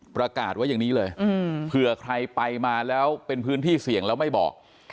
ประกาศไว้อย่างนี้เลยเผื่อใครไปมาแล้วเป็นพื้นที่เสี่ยงแล้วไม่บอก